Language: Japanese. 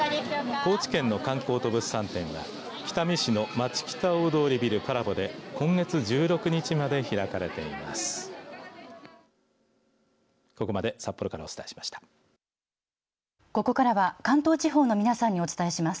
高知県の観光と物産展は北見市のまちきた大通ビルパラボで今月１６日まで開かれています。